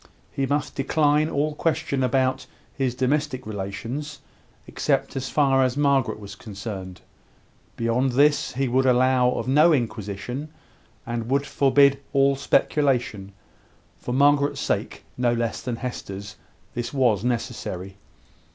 He must decline all question about his domestic relations, except as far as Margaret was concerned. Beyond this, he would allow of no inquisition, and would forbid all speculation. For Margaret's sake, no less than Hester's, this was necessary.